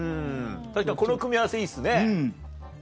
確かにこの組み合わせいいですね。